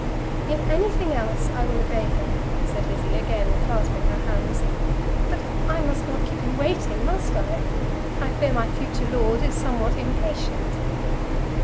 "In anything else I will obey him," said Lizzie, again clasping her hands. "But I must not keep him waiting, must I? I fear my future lord is somewhat impatient."